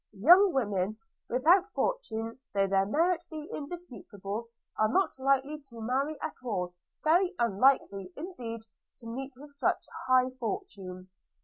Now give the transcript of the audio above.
Young women without fortune though their merit be indisputable, are not likely now to marry at all; very unlikely, indeed, to meet with such high fortune.'